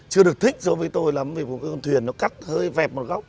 chưa được thích so với tôi lắm vì một cái con thuyền nó cắt hơi vẹp một góc